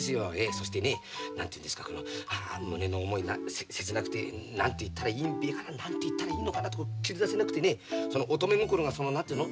そしてね何て言うんですかこの胸の思いが切なくて何て言ったらいいべか何て言ったらいいのかなと切り出せなくてねその乙女心がその何て言うの？